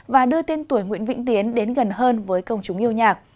và đưa tên tuổi nguyễn vĩnh tiến đến gần hơn với công chúng yêu nhạc